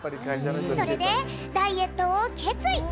それでダイエットを決意！